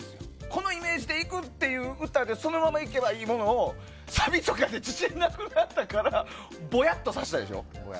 このイメージでいくってそのままでいけばいいもののサビとかで自信なくなったからぼやっとさせたでしょ。